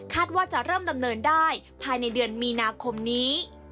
ว่าจะเริ่มดำเนินได้ภายในเดือนมีนาคมนี้